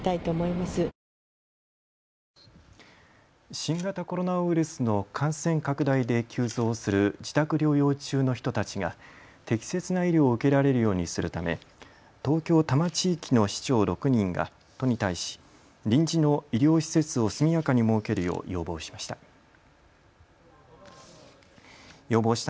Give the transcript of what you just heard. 新型コロナウイルスの感染拡大で急増する自宅療養中の人たちが適切な医療を受けられるようにするため東京多摩地域の市長６人が都に対し臨時の医療施設を速やかに設けるよう要望しました。